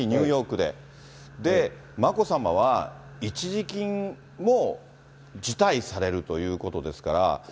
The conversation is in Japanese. で、眞子さまは一時金も辞退されるということですから。